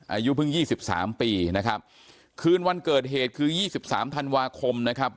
อายุเพิ่ง๒๓ปีนะครับคืนวันเกิดเหตุคือ๒๓ธันวาคมนะครับ